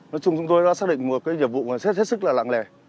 nói chung chúng tôi đã xác định một cái nhiệm vụ rất là lạng lè